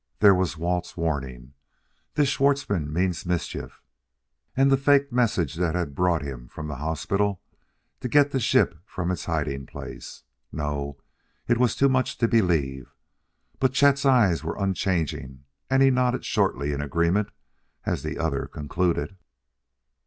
There was Walt's warning, "this Schwartzmann means mischief," and the faked message that had brought him from the hospital to get the ship from its hiding place; no, it was too much to believe. But Chet's eyes were unchanging, and he nodded shortly in agreement as the other concluded.